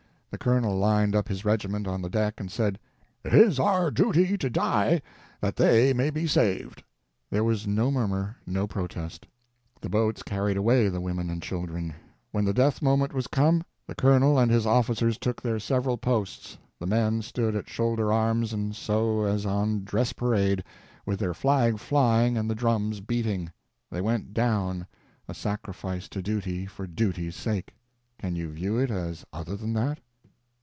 The colonel lined up his regiment on the deck and said "it is our duty to die, that they may be saved." There was no murmur, no protest. The boats carried away the women and children. When the death moment was come, the colonel and his officers took their several posts, the men stood at shoulder arms, and so, as on dress parade, with their flag flying and the drums beating, they went down, a sacrifice to duty for duty's sake. Can you view it as other than that?